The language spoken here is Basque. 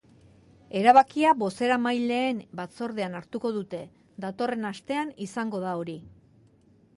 Erabakia bozeramaileen batzordean hartuko dute, datorren astean izango da hori.